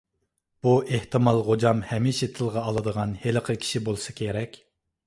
بۇ ئېھتىمال غوجام ھەمىشە تىلغا ئالىدىغان ھېلىقى كىشى بولسا كېرەك.